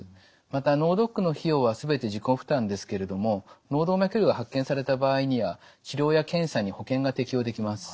また脳ドックの費用は全て自己負担ですけれども脳動脈瘤が発見された場合には治療や検査に保険が適用できます。